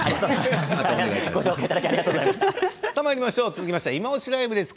続きまして「いまオシ！ＬＩＶＥ」です。